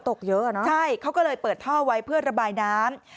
เยอะใช่เขาก็เลยเปิดท่อไว้เพื่อระบายน้ำ